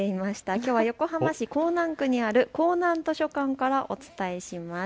きょうは横浜市港南区にある港南図書館からお伝えします。